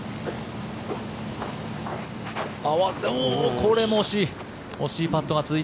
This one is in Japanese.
これも惜しい。